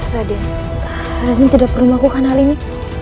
raden raden tidak perlu melakukan hal ini